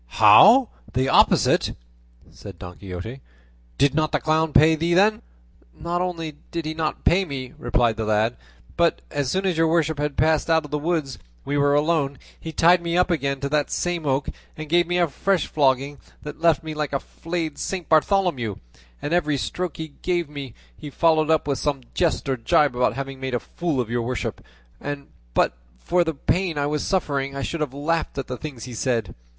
"How! the opposite?" said Don Quixote; "did not the clown pay thee then?" "Not only did he not pay me," replied the lad, "but as soon as your worship had passed out of the wood and we were alone, he tied me up again to the same oak and gave me a fresh flogging, that left me like a flayed Saint Bartholomew; and every stroke he gave me he followed up with some jest or gibe about having made a fool of your worship, and but for the pain I was suffering I should have laughed at the things he said.